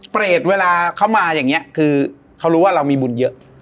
เปรตเวลาเขามาอย่างนี้คือเขารู้ว่าเรามีบุญเยอะ